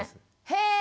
へえ！